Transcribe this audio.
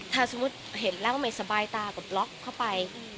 ถ้าเห็นแล้วไม่สบายตากับดก็ไป